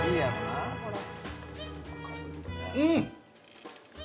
うん！